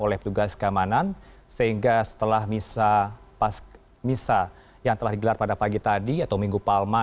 oleh petugas keamanan sehingga setelah misa pas misa yang telah digelar pada pagi tadi atau minggu palma